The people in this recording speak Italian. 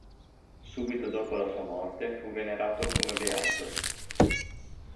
Subito dopo la sua morte, fu venerato come beato.